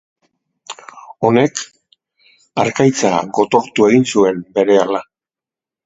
Honek harkaitza gotortu egin zuen berehala.